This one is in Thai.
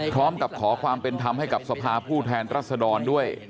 พร้อมกับขอความเป็นธรรมให้กับสภาผู้แทนรัศดรด้วย